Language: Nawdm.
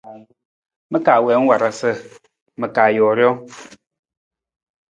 Ma ka wiin warasa, ma ka joo rijang.